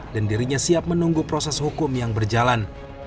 dan dirinya siap menunggu proses hukum yang berjalan